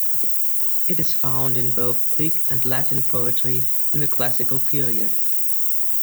It is found in both Greek and Latin poetry in the classical period.